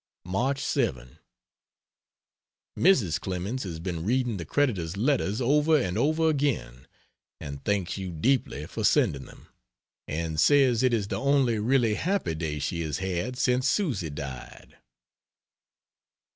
March 7. Mrs. Clemens has been reading the creditors' letters over and over again and thanks you deeply for sending them, and says it is the only really happy day she has had since Susy died.